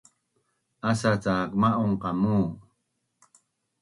Asa cak ma’un qamu